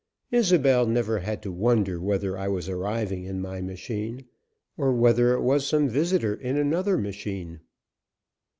Isobel never had to wonder whether I was arriving in my machine, or whether it was some visitor in another machine.